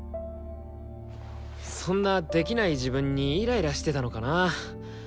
そんなできない自分にイライラしてたのかな。